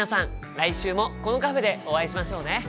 来週もこのカフェでお会いしましょうね。